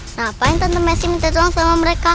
ngapain tante messi minta doang sama mereka